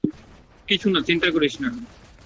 কিছু না, চিন্তা করিস না।